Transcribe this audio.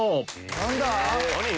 何だ？